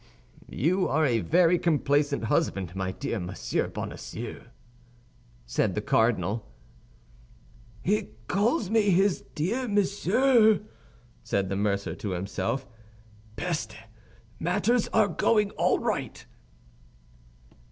"You are a very complacent husband, my dear Monsieur Bonacieux," said the cardinal. "He calls me his dear Monsieur," said the mercer to himself. "Peste! Matters are going all right."